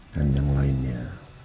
dan yang lainnya